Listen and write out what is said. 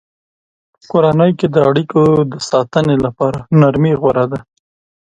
په کورنۍ کې د اړیکو د ساتنې لپاره نرمي غوره ده.